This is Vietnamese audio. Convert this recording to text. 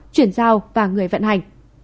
chuyển giao và người vận hành